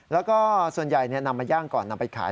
แล้วก็ส่วนใหญ่นำมาย่างก่อนนำไปขาย